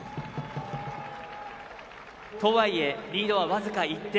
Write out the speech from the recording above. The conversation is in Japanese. とはいえ、リードは僅か１点。